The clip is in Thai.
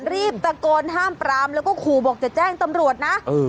รีบตะโกนห้ามปรามแล้วก็ขู่บอกจะแจ้งตำรวจนะ